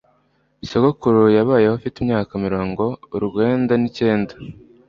Sogokuru yabayeho afite imyaka mirongo urwenda n'icyenda.